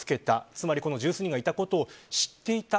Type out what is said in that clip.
つまりこの十数人がいたことを知っていた。